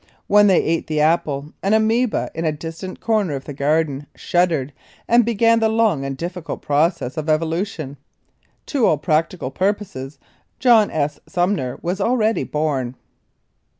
When they ate the apple an amoeba in a distant corner of the Garden shuddered and began the long and difficult process of evolution. To all practical purposes John S. Sumner was already born.